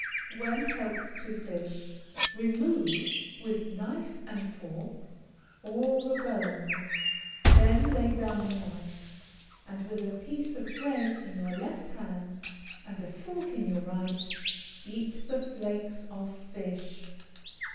When helped to fish, remove, with knife and fork, all the bones, then lay down the knife, and, with a piece of bread in your left hand and a fork in your right, eat the flakes of fish.